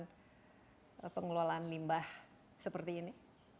sudah bisa menggunakan pengelolaan limbah seperti ini